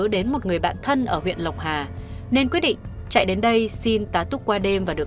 đề phòng đối tượng lợi dụng đêm